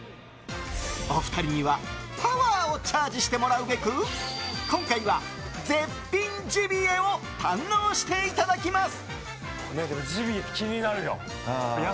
お二人には、パワーをチャージしてもらうべく今回は絶品ジビエを堪能していただきます。